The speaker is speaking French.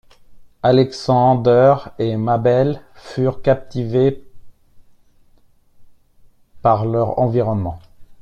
Alexander et Mabel furent captivés par leur environnement.